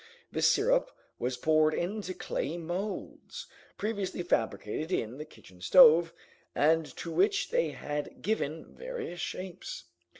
This syrup was poured into clay molds, previously fabricated in the kitchen stove, and to which they had given various shapes.